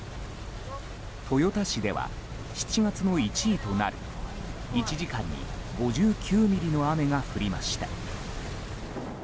豊田市では７月の１位となる１時間に５９ミリの雨が降りました。